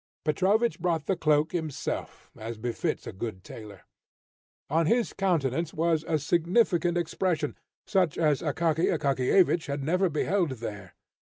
Petrovich brought the cloak himself as befits a good tailor. On his countenance was a significant expression, such as Akaky Akakiyevich had never beheld there.